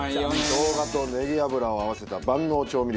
生姜とネギ油を合わせた万能調味料。